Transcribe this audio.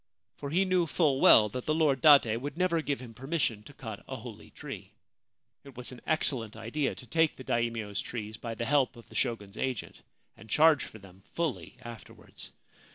For he knew full well that the Lord Date would never give him permission to cut a holy tree. It was an excellent idea to take the Daimio's trees by the help of the Shogun's agent, and charge for them fully afterwards.